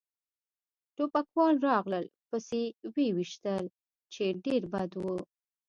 ټوپکوال راغلل پسې و يې ویشتل، چې ډېر بد و.